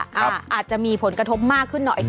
อาจจะมีผลกระทบมากขึ้นหน่อย